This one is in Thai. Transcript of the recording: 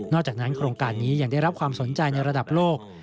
อกจากนั้นโครงการนี้ยังได้รับความสนใจในระดับโลก